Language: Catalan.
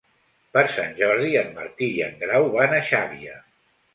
Per Sant Jordi en Martí i en Grau van a Xàbia.